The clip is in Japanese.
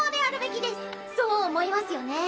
そう思いますよね？